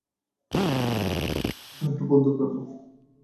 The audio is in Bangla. গানটা বন্ধ করো।